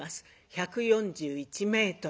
１４１ｍ。